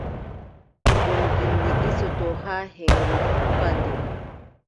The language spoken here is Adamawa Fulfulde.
Ɗum gilɗi ɗisotoo haa heŋre, tufa nde.